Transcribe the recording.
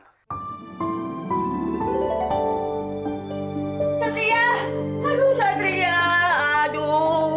satria aduh satria aduh